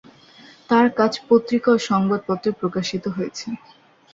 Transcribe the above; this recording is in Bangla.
তার কাজ পত্রিকা ও সংবাদপত্রে প্রকাশিত হয়েছে।